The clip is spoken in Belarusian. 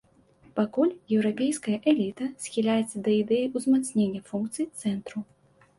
Пакуль еўрапейская эліта схіляецца да ідэі ўзмацнення функцый цэнтру.